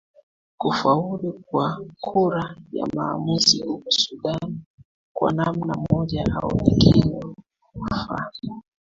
kufaulu kwa kura ya maamuzi huko sudan kwa namna moja au nyingine ni manufaa